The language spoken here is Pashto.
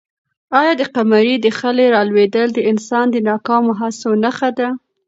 آیا د قمرۍ د خلي رالوېدل د انسان د ناکامو هڅو نښه نه ده؟